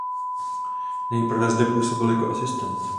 Nejprve zde působil jako asistent.